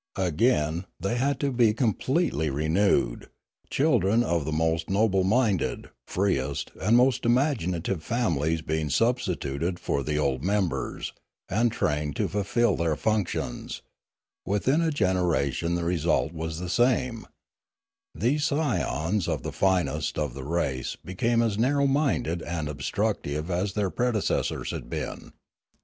Again 272 Limanora they had been completely renewed, children of the most noble minded, freest, and most imaginative fami lies being substituted for the old members, and trained to fulfil their functions; within a generation the result was the same; these scions of the finest of the race became as narrow minded and obstructive as their pre decessors had been.